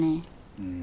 うん。